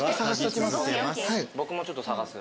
僕もちょっと探す。